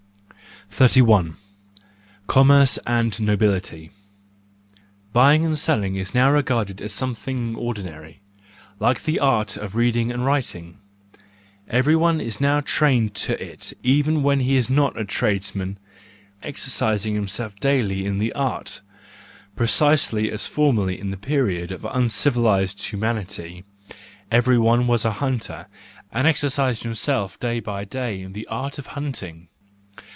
72 THE JOYFUL WISDOM, I 3L Commerce and Nobility .—Buying and selling is now regarded as something ordinary, like the art of reading and writing; everyone is now trained to it even when he is not a tradesman, exercising himself daily in the art; precisely as formerly in the period of uncivilised humanity, everyone was a hunter and exercised himself day by day in the art of hunting.